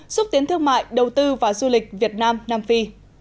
xúc tiến thương mại đầu tư và du lịch việt nam nam phi